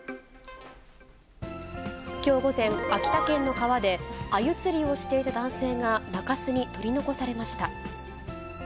きょう午前、秋田県の川で、アユ釣りをしていた男性が中州に取り残されました。